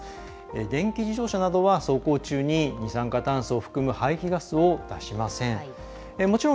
電気自動車などは走行中に二酸化炭素を含む排気ガスを出しません。